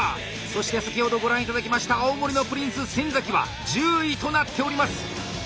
そして先ほどご覧頂きました青森のプリンス・先は１０位となっております。